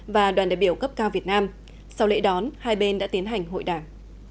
và đoàn đại biểu cấp cao việt nam sau lễ đón hai bên đã tiến hành hội đảng